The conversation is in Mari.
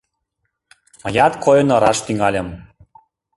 Мыят койын ыраш тӱҥальым.